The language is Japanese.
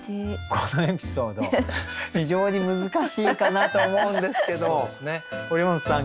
このエピソード非常に難しいかなと思うんですけど堀本さん。